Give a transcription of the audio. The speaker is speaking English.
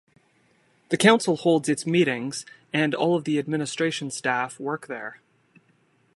The Council holds its meetings and all of the administration staff work there.